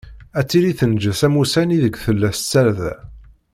Ad tili tenǧes am wussan ideg tella s tarda.